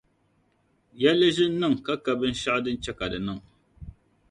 Yɛnli ʒi n-niŋ ka bɛn' shɛɣu din che ka di niŋ.